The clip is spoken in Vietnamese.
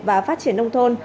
và phát triển nông thôn